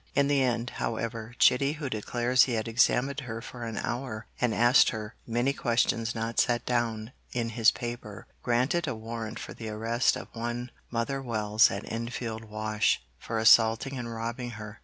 In the end, however, Chitty, who declares he had examined her for an hour and asked her 'many questions not set down' in his paper, granted a warrant for the arrest of one Mother Wells at Enfield Wash, for assaulting and robbing her.